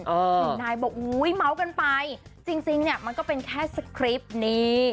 หนุ่มนายบอกอุ๊ยเมาะกันไปจริงมันก็เป็นแค่สคริปนี้